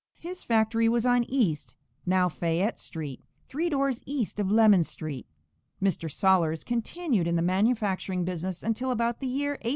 His factory was on East, now Fayette street, three doors east of Lemon street. Mr. Sollers continued in the manufacturing business until about the year 1840.